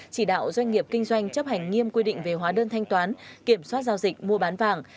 chỉ đạo doanh nghiệp kinh doanh chấp hành nghiêm quy định về hóa đơn thanh toán kiểm soát giao dịch mua bán vàng